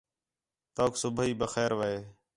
توک صبح بخیر وے